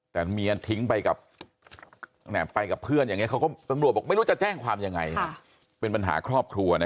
แต่เมียทิ้งไปกับเพื่อนอย่างนี้เขาก็ตำรวจบอกไม่รู้จะแจ้งความยังไงเป็นปัญหาครอบครัวนะ